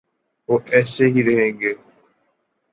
وہ ایسے ہی رہیں گے۔